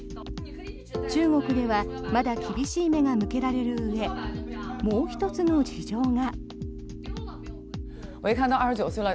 中国ではまだ厳しい目が向けられるうえもう１つの事情が。